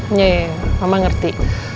iya mama ngerti